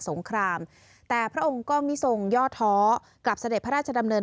งครามแต่พระองค์ก็มิทรงย่อท้อกับเสด็จพระราชดำเนิน